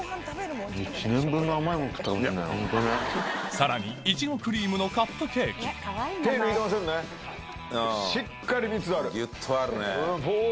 さらにいちごクリームのカップケーキギュっとあるね。